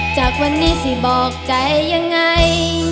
จากวันนี้สิบอกใจยังไง